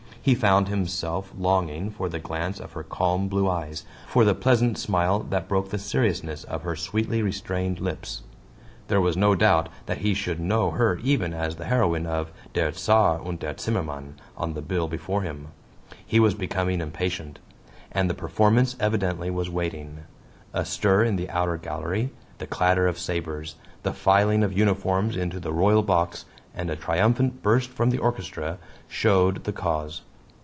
He found himself longing for the glance of her calm blue eyes, for the pleasant smile that broke the seriousness of her sweetly restrained lips. There was no doubt that he should know her even as the heroine of DER CZAR UND DER ZIMMERMANN on the bill before him. He was becoming impatient. And the performance evidently was waiting. A stir in the outer gallery, the clatter of sabers, the filing of uniforms into the royal box, and a triumphant burst from the orchestra showed the cause.